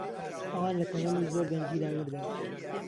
ئەوان لە تەمەنی زۆر گەنجیدا مردن.